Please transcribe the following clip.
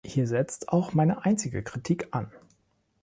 Hier setzt auch meine einzige Kritik an.